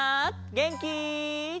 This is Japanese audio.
げんき？